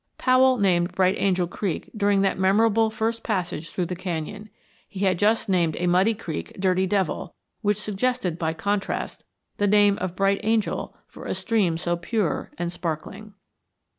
Powell named Bright Angel Creek during that memorable first passage through the Canyon. He had just named a muddy creek Dirty Devil, which suggested, by contrast, the name of Bright Angel for a stream so pure and sparkling.